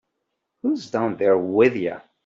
Who's down there with you?